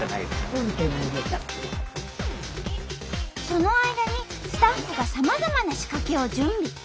その間にスタッフがさまざまな仕掛けを準備。